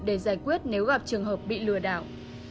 để giải quyết nếu gặp trường hợp bị lừa đảo